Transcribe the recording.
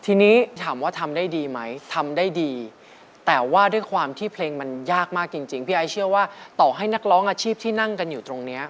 ทีนี้ถามว่าทำได้ดีไหมทำได้ดีแต่ว่าด้วยความที่เพลงมันยากมากจริงพี่ไอ้เชื่อว่าต่อให้นักร้องอาชีพที่นั่งกันอยู่ตรงนี้